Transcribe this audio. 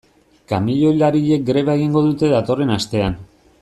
Kamioilariek greba egingo dute datorren astean.